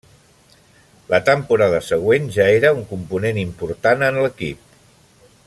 La temporada següent, ja era un component important en l'equip.